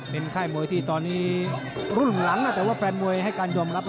เป็นค่ายมวยที่ตอนนี้รุ่นหลังแต่ว่าแฟนมวยให้การยอมรับ